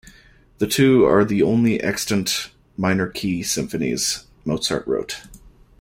The two are the only extant minor key symphonies Mozart wrote.